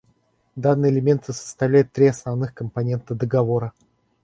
Данные элементы составляют три основных компонента договора.